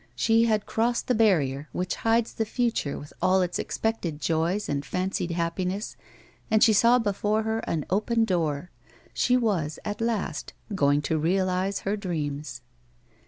She had cros.sed the barrier which hides the future with all its ex pected joys and fancied happiness, and she saw before her an open door ; she was at last going to realise her dreams.